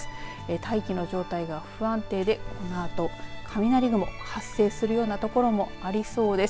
大気の状態が不安定でこのあと雷雲発生するようなところもありそうです。